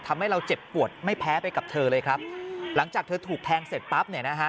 ทำให้เราเจ็บปวดไม่แพ้ไปกับเธอเลยครับหลังจากเธอถูกแทงเสร็จปั๊บเนี่ยนะฮะ